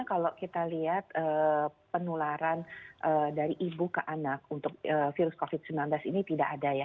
kalau kita lihat penularan dari ibu ke anak untuk virus covid sembilan belas ini tidak ada ya